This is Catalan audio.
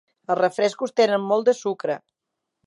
Els refrescos tenen molt de sucre.